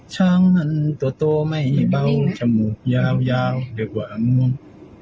ช้างมันตัวไม่เบาชมพยาวเหลือกว่างมวง